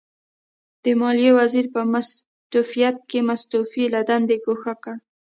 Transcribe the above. د ماليې وزیر په مستوفیت کې مستوفي له دندې ګوښه کړ.